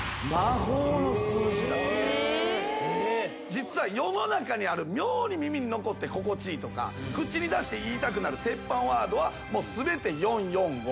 実は世の中にある妙に耳に残って心地いいとか口に出して言いたくなる鉄板ワードは全て４・４・５。